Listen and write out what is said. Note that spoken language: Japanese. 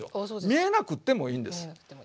見えなくってもいいんですね。